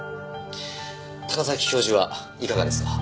高崎教授はいかがですか？